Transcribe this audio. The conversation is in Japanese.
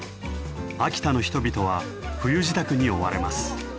秋田の人々は冬支度に追われます。